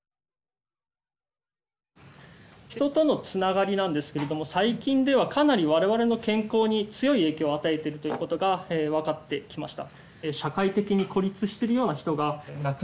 人とのつながりなんですけれども最近ではかなり我々の健康に強い影響を与えてるということが分かってきました。